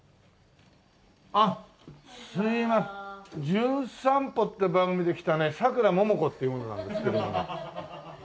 『じゅん散歩』って番組で来たねさくらももこっていう者なんですけど。